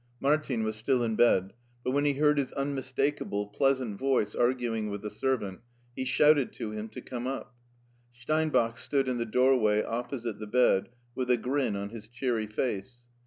Martin was still in bed, but when he heard his unmistakable, pleasant voice arguing with the servant, he shouted to him to come up. Steinbach stood in the doorway opposite the bed, with a grin on his cheery face.